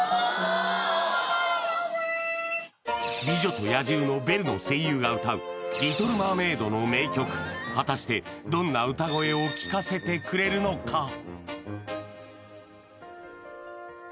「美女と野獣」のベルの声優が歌う「リトル・マーメイド」の名曲果たしてどんな歌声を聴かせてくれるのか！？